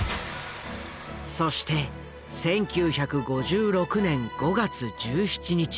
そして１９５６年５月１７日。